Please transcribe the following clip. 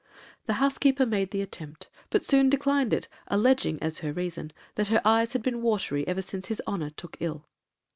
The housekeeper made the attempt, but soon declined it, alleging, as her reason, that her eyes had been watery ever since his honor took ill.